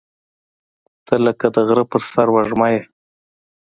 • ته لکه د غره پر سر وږمه یې.